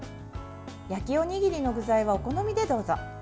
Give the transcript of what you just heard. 焼きおにぎりの具材はお好みでどうぞ。